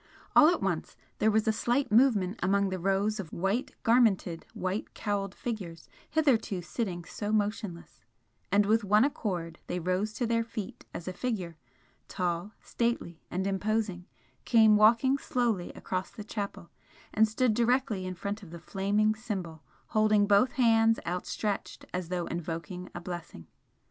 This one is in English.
All at once there was a slight movement among the rows of white garmented, white cowled figures hitherto sitting so motionless, and with one accord they rose to their feet as a figure, tall, stately and imposing, came walking slowly across the chapel and stood directly in front of the flaming Symbol, holding both hands outstretched as though invoking a blessing.